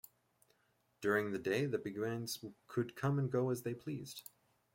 During the day the beguines could come and go as they pleased.